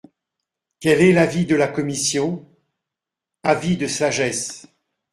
Quel est l’avis de la commission ? Avis de sagesse.